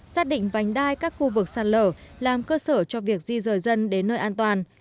xác định vành đai các khu vực sạt lở làm cơ sở cho việc di rời dân đến nơi an toàn